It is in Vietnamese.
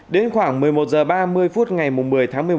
đến khoảng một mươi một h ba mươi phút ngày một mươi tháng một mươi một